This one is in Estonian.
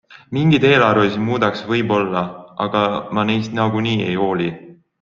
Mingeid eelarvamusi muudaks võib-olla, aga ma neist nagunii ei hooli.